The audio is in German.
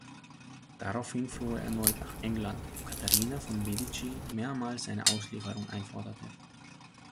Daraufhin floh er erneut nach England, wo Katharina von Medici mehrmals seine Auslieferung einforderte.